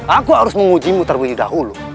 aku harus menguji mu terlebih dahulu